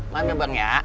maaf ya bang ya